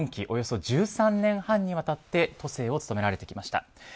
およそ１３年半にわたって都政を務められてきました。